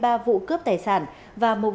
và một vụ cướp tài sản của người dân